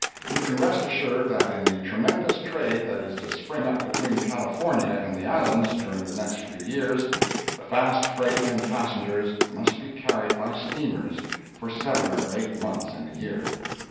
You can rest assured that in the tremendous trade that is to spring up between California and the Islands during the next few years, the fast freight and passengers must be carried by steamers for seven or eight months in the year.